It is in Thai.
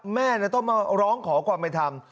แม่ต้องมาร้องขอกว่าไม่ทำ